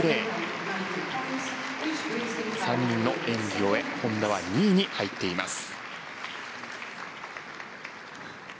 ３人の演技を終え本田は２位に入っています。